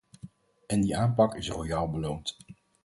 En die aanpak is royaal beloond.